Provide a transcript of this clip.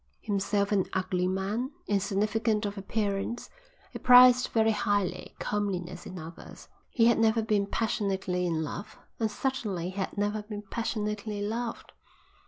Himself an ugly man, insignificant of appearance, he prized very highly comeliness in others. He had never been passionately in love, and certainly he had never been passionately loved.